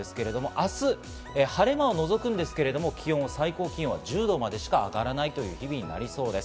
明日、晴れ間がのぞくんですけど、最高気温は１０度までしか上がらないという日になりそうです。